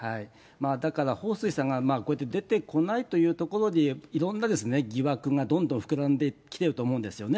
だから彭帥さんがこうやって出てこないというところにいろんな疑惑がどんどん膨らんできてると思うんですよね。